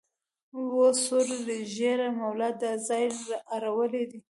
وه سور ږیریه مولا دا ځای د اړولو دی